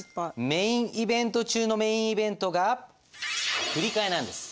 メインイベント中のメインイベントが振り替えなんです。